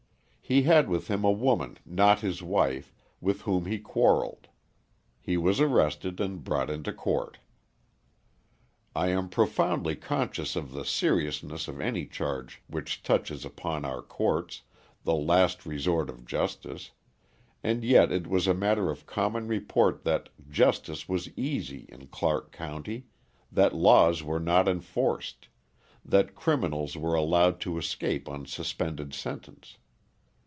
He had with him a woman not his wife, with whom he quarrelled. He was arrested and brought into court. I am profoundly conscious of the seriousness of any charge which touches upon our courts, the last resort of justice, and yet it was a matter of common report that "justice was easy" in Clark County, that laws were not enforced, that criminals were allowed to escape on suspended sentence.